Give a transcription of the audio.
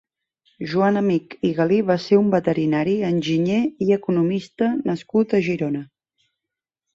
Joan Amich i Galí va ser un «Veterinari, enginyer i economista» nascut a Girona.